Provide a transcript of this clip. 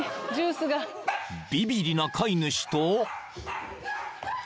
［ビビりな飼い主と］